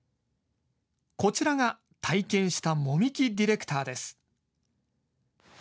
こちらが体験した籾木ディレクターです。